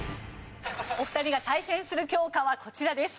お二人が対戦する教科はこちらです。